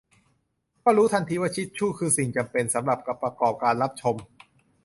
ก็รู้ทันทีว่าทิชชูคือสิ่งจำเป็นสำหรับประกอบการรับชม